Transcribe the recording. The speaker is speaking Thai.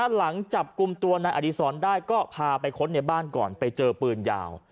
หลังจับกลุ่มตัวนายอดีศรได้ก็พาไปค้นในบ้านก่อนไปเจอปืนยาว